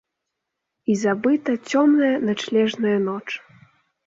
І забыта цёмная начлежная ноч.